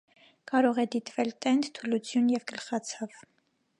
Կարող է դիտվել տենդ, թուլություն և գլխացավ։